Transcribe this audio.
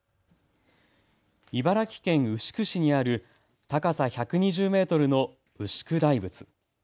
茨城県牛久市にある高さ１２０メートルの牛久大仏。